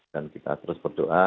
dan kita terus berdoa